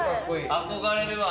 憧れるわ！